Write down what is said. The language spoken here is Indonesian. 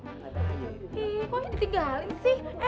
kok aja ditinggalin sih